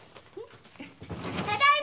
ただいま！